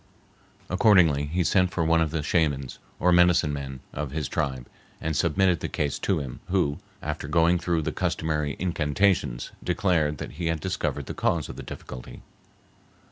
Accordingly, he sent for one of the shamans, or medicine men, of his tribe, and submitted the case to him, who, after going through the customary incantations, declared that he had discovered the cause of the difficulty.